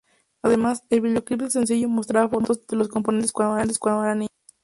Además, el videoclip del sencillo mostraba fotos de las componentes cuando eran niñas.